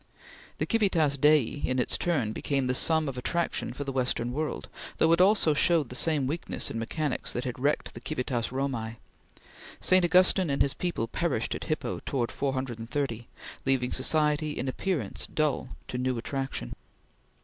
The Civitas Dei, in its turn, became the sum of attraction for the Western world, though it also showed the same weakness in mechanics that had wrecked the Civitas Romae. St. Augustine and his people perished at Hippo towards 430, leaving society in appearance dull to new attraction.